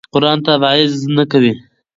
قرآن تبعیض نه کوي.